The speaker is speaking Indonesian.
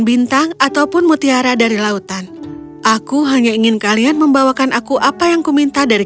bintang ataupun mutiara dari lautan aku hanya ingin kalian membawakan aku apa yang ku minta dari